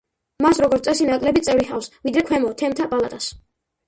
მას, როგორც წესი ნაკლები წევრი ჰყავს, ვიდრე ქვემო, თემთა პალატას.